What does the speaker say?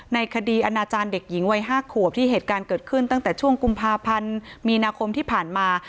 ในคดีอนาจารย์เด็กหญิงวัย๕ขวบที่เหตุการณ์เกิดขึ้นตั้งแต่ช่วงกุมภาพันธ์มีนาคมที่ผ่านมา